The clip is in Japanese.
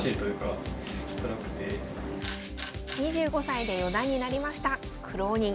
２５歳で四段になりました苦労人